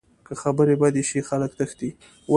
که خبرې بدې شي، خلک تښتي